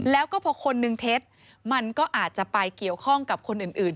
แล้วก็พอคนนึงเท็จมันก็อาจจะไปเกี่ยวข้องกับคนอื่น